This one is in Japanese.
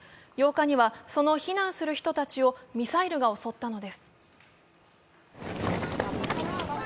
８日にはその避難する人たちをミサイルが襲ったのです。